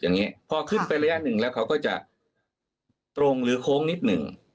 อย่างนี้พอขึ้นไประยะหนึ่งแล้วเขาก็จะตรงหรือโค้งนิดหนึ่ง